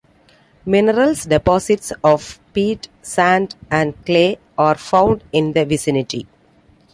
Mineral deposits of peat, sand, and clay are found in the vicinity.